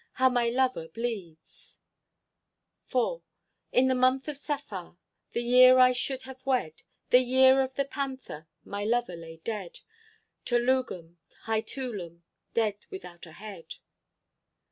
_ How my lover bleeds! IV In the month of Saffar, The Year I should have wed— The Year of The Panther— My lover lay dead,— Tulugum! Heitulum! _Dead without a head.